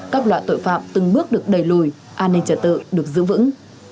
các loại tội phạm từng bước được đẩy lùi an ninh trả tự được giữ vững